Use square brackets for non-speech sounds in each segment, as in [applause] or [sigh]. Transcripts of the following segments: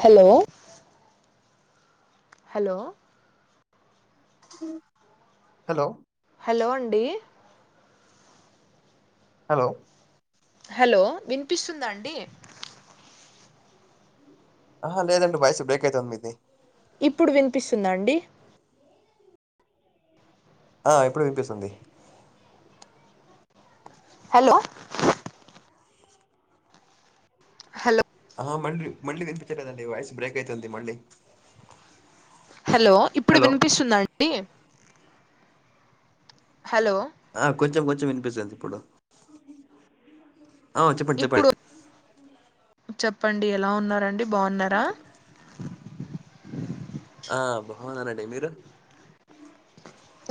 hello hello hello hello అండి hello hello వినిపిస్తుందా అండి ఆహ లేదండి వాయిస్ బ్రేక్ అయితాంది మీది ఇప్పుడు వినిపిస్తుందా అండి ఆ ఇప్పుడు వినిపిస్తుంది హలో హలో మళ్ళీ మళ్ళీ వినిపించలేదండి వాయిస్ బ్రేక్ అయితుంది మళ్ళీ హలో ఇప్పుడు హలో వినిపిస్తుందాఅండి హలో ఆ కొంచెం కొంచెం వినిపిస్తంది ఇప్పుడు ఆ చెప్పండి చెప్పండి ఇప్పుడు చెప్పండి ఎలా ఉన్నరండి బాగున్నారా ఆ బావున్నారండీ మీరు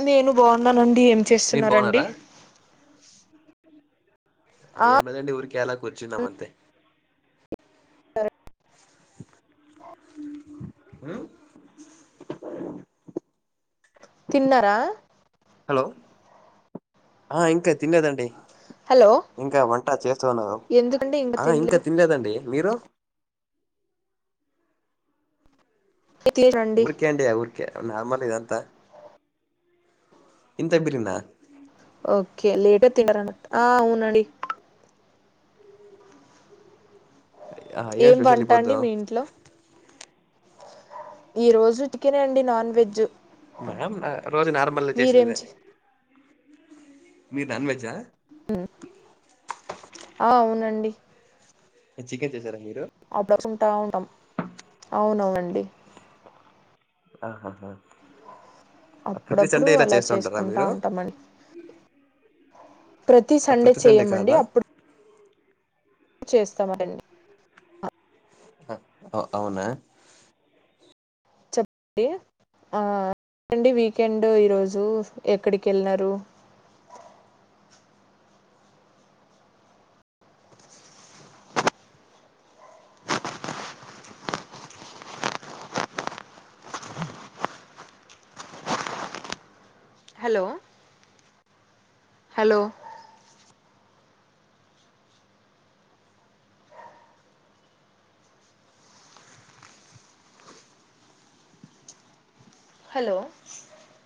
నేను బాగున్నానండి ఏం మీరు చేస్తున్నరండి బాగున్నారా ఆ ఏమ్లెండీ ఊరికే అలా కూర్చున్నాం అంతే ఉమ్, తిన్నారా హలో ఆ ఇంకా తిన్నేదండి హలో ఇంకా వంట చేస్తు ఉన్నాను ఎందుకండి ఆ ఇంకా తినలేదు తిన్లేదండి మీరు తినండి ఉర్కే అండియా ఉర్కె నార్మాల్ ఇద అంత ఇంతే బిలిందా ఓకే లేటే తిన్నరన్న ఆ అవునండి ఆ, ఏం స్పెషల్ ఈ వంట అండి పొద్దు మీ ఇంట్లో ఈ రోజు చికినే అండి నాన్ వెజ్ [unintelligible] ఆ రోజు నార్మల్ గా మీరేం చేసేదే చే మీ నాన్ వెజా ఉ అ అవునండి చికెన్ చేసారా మీరో [inaudible] ఉంటాం అవునవునండి ఆహాహా ప్రతి అప్పుడప్పుడు సండే ఇలా అలా చేస్తూంటారా చేసుకుంటా మీరు ఉంటామండి ప్రతి సండే ప్రతి చెయమండి కాదా అప్పుడు చేస్తామండి అ అ అవునా డి అ అండీ వీకెండ్ ఈరోజు ఎక్కడికెళ్ళినారు హలో హలో హలో